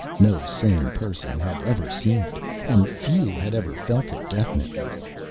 No sane person had ever seen it, and few had ever felt it definitely.